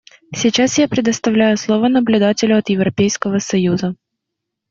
Сейчас я предоставляю слово наблюдателю от Европейского Союза.